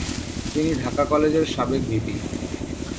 তিনি ঢাকা কলেজের সাবেক ভিপি।